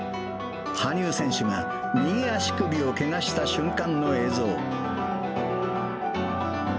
羽生選手が右足首をけがした瞬間の映像。